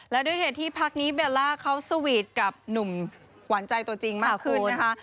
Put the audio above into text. และด้วยเหตุที่พักนี้เบลล่าเขาสวีทกับหนุ่มหวานใจตัวจริงมากขึ้นนะคะ